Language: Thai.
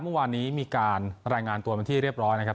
เมื่อวานนี้มีการรายงานตัวเป็นที่เรียบร้อยนะครับ